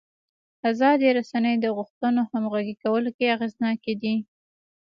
ازادې رسنۍ د غوښتنو همغږي کولو کې اغېزناکې دي.